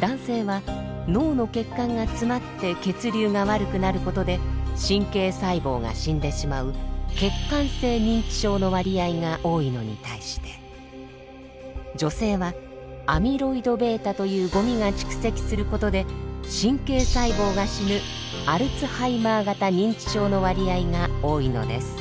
男性は脳の血管が詰まって血流が悪くなることで神経細胞が死んでしまう血管性認知症の割合が多いのに対して女性はアミロイドβというゴミが蓄積することで神経細胞が死ぬアルツハイマー型認知症の割合が多いのです。